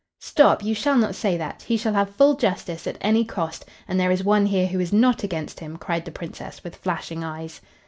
"Stop! You shall not say that! He shall have full justice, at any cost, and there is one here who is not against him," cried the Princess, with flashing eyes.